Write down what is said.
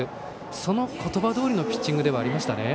その言葉どおりのピッチングではありましたね。